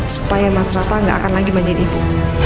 supaya mas rafa gak akan lagi menjadi ibu